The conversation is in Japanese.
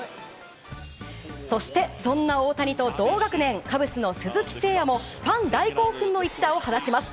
そして、そんな大谷と同学年カブスの鈴木誠也もファン大興奮の一打を放ちます。